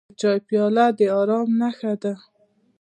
د چای پیاله د ارام نښه ده.